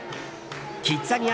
キッザニア